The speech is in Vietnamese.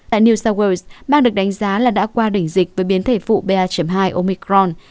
tại new south wales bang được đánh giá là đã qua đỉnh dịch với biến thể phụ ba hai omicron